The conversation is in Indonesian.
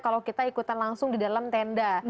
kalau kita ikutan langsung di dalam tenda